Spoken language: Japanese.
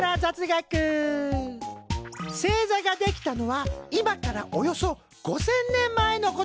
星座が出来たのは今からおよそ５，０００年前のこと。